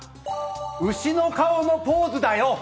牛の顔のポーズだよ！